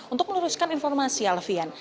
untuk menuruskan informasi alfian